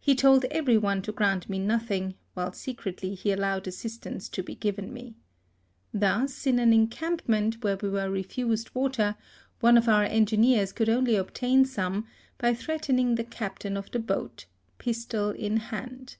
He told every one to grant me nothing, while secretly he allowed assistance to be given me. Thus, in an encampment where we were refused water, one of our engineers could only ob tain some by threatening the captain of the boat pistol in hand.